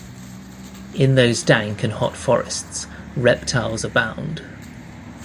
In those dank and hot forests reptiles abound.